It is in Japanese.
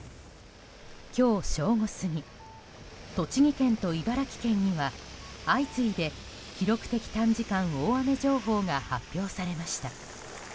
今日正午過ぎ栃木県と茨城県には相次いで記録的短時間大雨情報が発表されました。